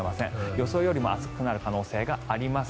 予想よりも暑くなる可能性があります。